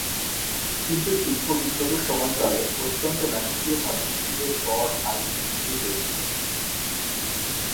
কিন্তু শিল্প বিপ্লবের সময়কালে অত্যন্ত নাটকীয়ভাবে শিশুদের গড় আয়ু বৃদ্ধি পেয়েছিল।